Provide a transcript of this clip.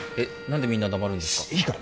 何でみんな黙るんですか？